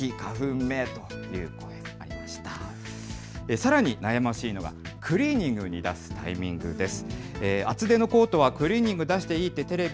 さらに悩ましいのがクリーニングに出すタイミングです。